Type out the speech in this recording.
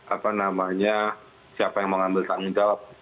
apa namanya siapa yang mau ambil tanggung jawab